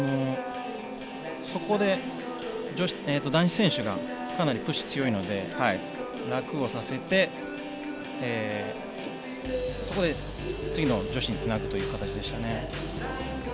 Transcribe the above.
そこで男子選手がかなりプッシュ強いので楽をさせて、そこで次の女子につなぐという形でしたね。